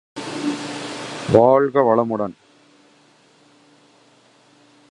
இதனால் யக்ஞங்கள் புரிவது, தேவதைகளைத் தங்களோடு விருந்துண்ண அழைப்பது போன்ற சடங்குகளின் மீது நம்பிக்கை தளர்ந்தது.